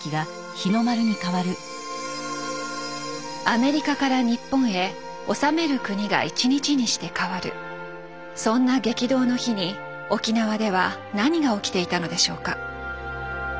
アメリカから日本へ治める国が１日にして変わるそんな激動の日に沖縄では何が起きていたのでしょうか？